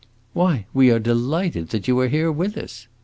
"Why, we are delighted that you are with us!"